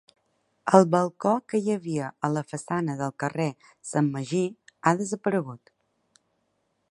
El balcó que hi havia a la façana del carrer Sant Magí ha desaparegut.